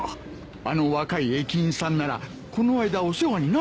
あの若い駅員さんならこの間お世話になったぞ。